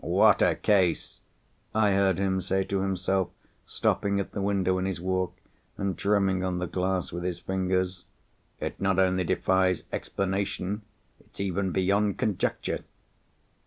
"What a case!" I heard him say to himself, stopping at the window in his walk, and drumming on the glass with his fingers. "It not only defies explanation, it's even beyond conjecture."